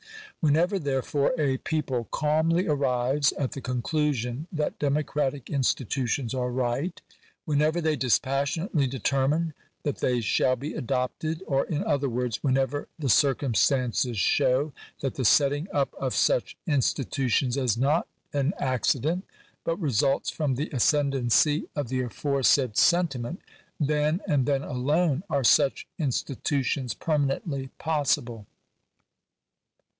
Whenever, therefore, a people calmly arrives at the conclusion that democratic institu tions are right ; whenever they dispassionately determine that they shall be adopted ; or, in other words, whenever the circum stances show that the setting up of such institutions is not an accident, but results from the ascendancy of the aforesaid senti ment ; then, and then alone, are such institutions permanently possible.